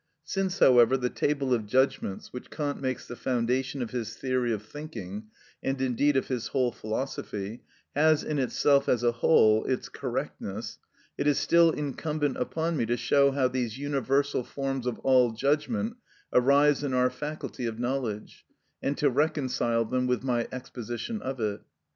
Since, however, the table of judgments, which Kant makes the foundation of his theory of thinking, and indeed of his whole philosophy, has, in itself, as a whole, its correctness, it is still incumbent upon me to show how these universal forms of all judgment arise in our faculty of knowledge, and to reconcile them with my exposition of it.